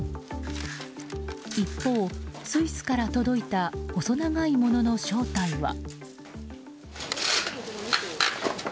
一方、スイスから届いた細長いものの正体は。